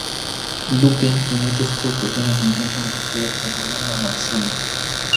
Luke, y muchas otras personas, intentan resolver el problema marciano.